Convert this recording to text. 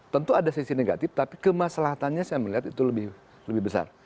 tentu ada sisi negatif tapi kemaslahatannya saya melihat itu lebih besar